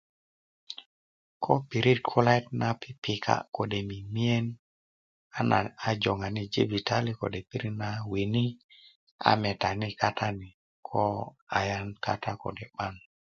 Ko pirit kulayet na pipika kode mimiyen a na a joŋani yi jibitali kode yi pirit na wini a metani katani kode ayan kata kode 'ban